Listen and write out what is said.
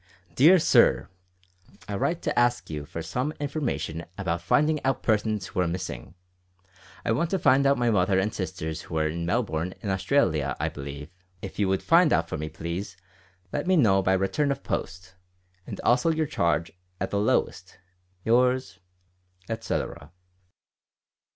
"DEAR SIR, I write to ask you for some information about finding out persons who are missing I want to find out my mother and sisters who are in Melbourne in Australia i believe if you would find out for me please let me know by return of post, and also your charge at the lowest, yours," etcetera.